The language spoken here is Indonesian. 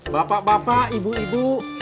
bapak bapak ibu ibu